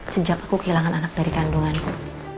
sejak aku kehilangan anak dari kandunganku